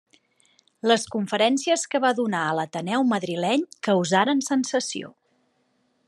Les conferències que va donar a l'Ateneu madrileny causaren sensació.